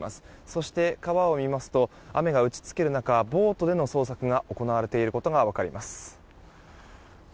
そして、川を見ますと雨が打ち付ける中ボートでの捜索が行われていることが分かります。